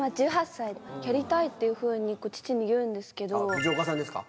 藤岡さんですか？